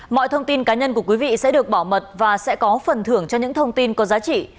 mọi thông tin cá nhân của quý vị sẽ được bảo mật và sẽ có phần thưởng cho những thông tin có giá trị